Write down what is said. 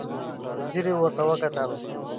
په ځير يې ورته وکتل.